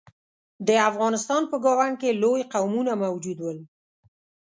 د افغانستان په ګاونډ کې لوی قومونه موجود ول.